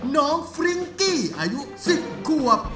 น้องฟริ้งกี้อายุ๑๐ขวบ